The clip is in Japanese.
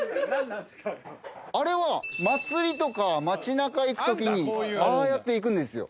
あれは祭りとか町なか行くときにああやって行くんですよ。